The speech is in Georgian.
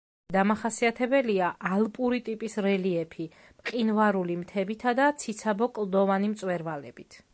დამახასიათებელია ალპური ტიპის რელიეფი, მყინვარული მთებითა და ციცაბო კლდოვანი მწვერვალებით.